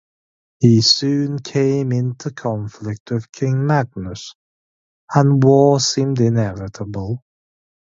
He soon came into conflict with King Magnus and war seemed inevitable.